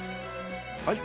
はい。